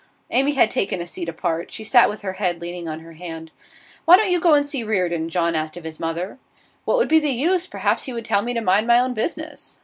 Amy had taken a seat apart. She sat with her head leaning on her hand. 'Why don't you go and see Reardon?' John asked of his mother. 'What would be the use? Perhaps he would tell me to mind my own business.